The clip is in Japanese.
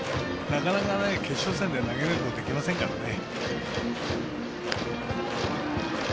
なかなかない決勝戦で投げることできませんからね。